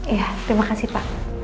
iya terima kasih pak